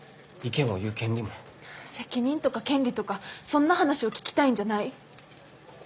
責任とか権利とかそんな話を聞きたいんじゃない。